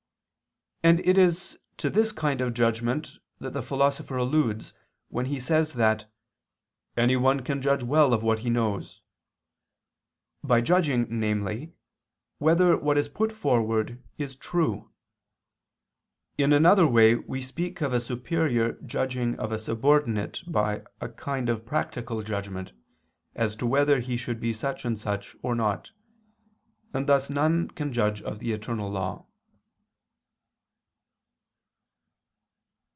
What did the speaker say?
It is to this kind of judgment that the Philosopher alludes when he says that "anyone can judge well of what he knows," by judging, namely, whether what is put forward is true. In another way we speak of a superior judging of a subordinate by a kind of practical judgment, as to whether he should be such and such or not. And thus none can judge of the eternal law.